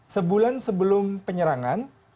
sebulan sebelum penyerangan